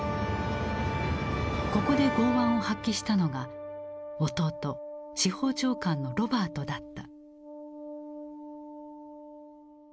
ここで剛腕を発揮したのが弟司法長官のロバートだった。